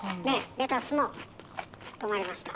レタスも止まりました。